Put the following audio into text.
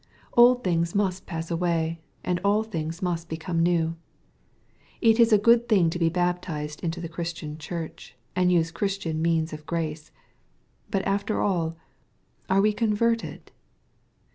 Old things must pass awaj, and aU things must become new. It is a good thing to be baptized into the Christian Church, and use Christian means of grace. But after all, "are we converted